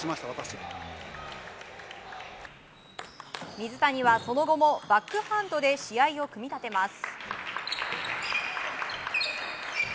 水谷はその後もバックハンドで試合を組み立てます。